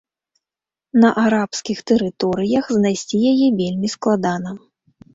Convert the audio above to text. На арабскіх тэрыторыях знайсці яе вельмі складана.